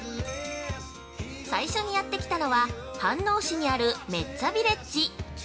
最初にやってきたのは、飯能市にあるメッツアビレッジ。